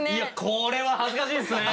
これは恥ずかしいですね！